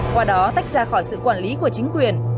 qua đó tách ra khỏi sự quản lý của chính quyền